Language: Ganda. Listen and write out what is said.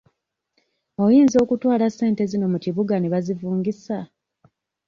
Oyinza okutwala ssente zino mu kibuga ne bazivungisa?